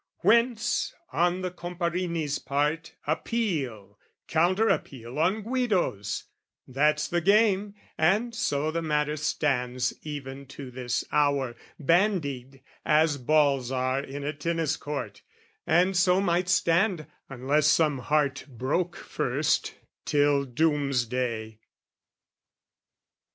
Whence, on the Comparini's part, appeal Counter appeal on Guido's, that's the game: And so the matter stands, even to this hour, Bandied as balls are in a tennis court, And so might stand, unless some heart broke first, Till doomsday.